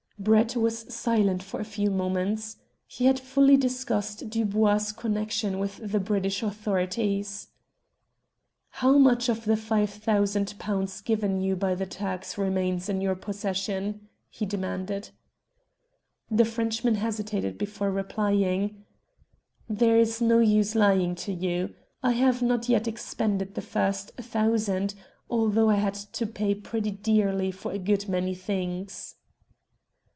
Brett was silent for a few moments. He had fully discussed Dubois' connexion with the British authorities. "How much of the five thousand pounds given you by the Turks remains in your possession?" he demanded. The Frenchman hesitated before replying "There is no use lying to you. I have not yet expended the first thousand, although I had to pay pretty dearly for a good many things."